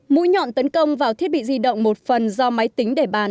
mũi nhọn tấn công vào thiết bị di động một phần do máy tính để bàn